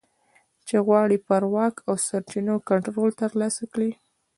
چې غواړي پر واک او سرچینو کنټرول ترلاسه کړي